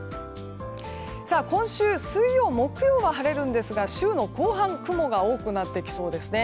今週水曜、木曜は晴れるんですが週の後半雲が多くなってきそうですね。